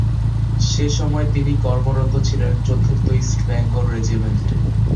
সে সময়ে তিনি কর্মরত ছিলেন চতুর্থ ইস্টবেঙ্গল রেজিমেন্টে।